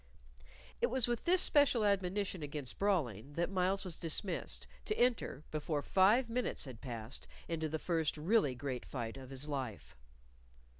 It was with this special admonition against brawling that Myles was dismissed, to enter, before five minutes had passed, into the first really great fight of his life.